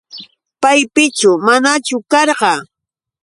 ¿Paypichu manachu karqa?